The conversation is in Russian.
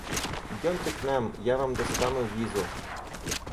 Идемте к нам — я вам достану визу!